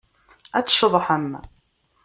Ad tceḍḥem.